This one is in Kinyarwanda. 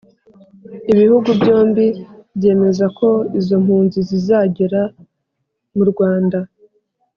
ibihugu byombi byemeza ko izo mpunzi zizagera mu rwanda